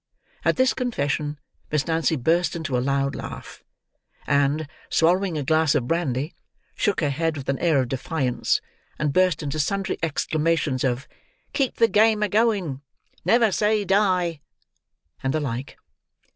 At this confession, Miss Nancy burst into a loud laugh; and, swallowing a glass of brandy, shook her head with an air of defiance, and burst into sundry exclamations of "Keep the game a going!" "Never say die!" and the like.